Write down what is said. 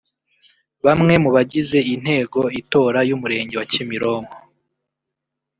Bamwe mu bagize intego itora y’umurenge wa Kimironko